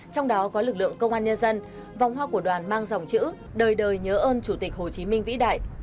trong đó có lực lượng công an nhân dân vòng hoa của đoàn mang dòng chữ đời đời nhớ ơn chủ tịch hồ chí minh vĩ đại